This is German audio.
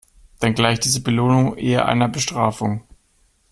Dann gleicht diese Belohnung eher einer Bestrafung.